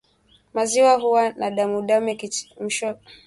Maziwa huwa na damudamu yakichemshwa yakiwa na maambukizi ya ugonjwa wa kiwele